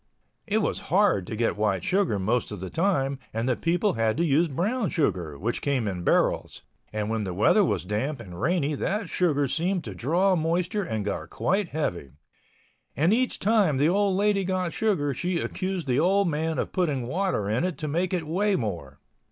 It was hard to get white sugar most of the time, and the people had to use brown sugar, which came in barrels, and when the weather was damp and rainy that sugar seemed to draw moisture and got quite heavy. And each time the old lady got sugar she accused the old man of putting water in it to make it weigh more.